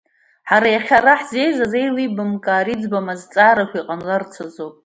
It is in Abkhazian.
Ҳара иахьа ара ҳзеизаз аилибамкаареи иӡбам азӡаарақәеи ҟамларц азы ауп.